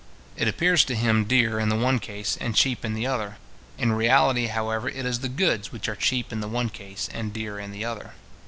It appears to him dear in the one case, and cheap in the other. In reality, however, it is the goods which are cheap in the one case, and dear in the other.